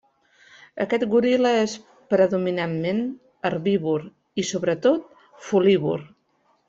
Aquest goril·la és predominantment herbívor i sobretot folívor.